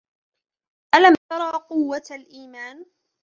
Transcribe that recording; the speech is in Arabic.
الم ترى قوة الإيمان؟